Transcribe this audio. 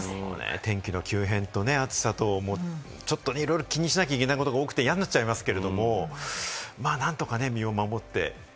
天気の急変と暑さと、ちょっといろいろ気にしなきゃいけないことが多くていやになっちゃいますけれども、なんとか身を守って。